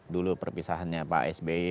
dulu perpisahannya pak sby